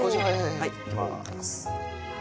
はいいきます。